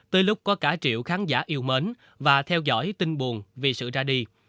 tới lúc có cả triệu khán giả yêu mến và theo dõi tin buồn vì sự ra đi